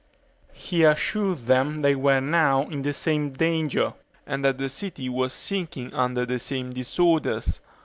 He assured them they were now in the same danger, and that the city was sinking under the same disorders.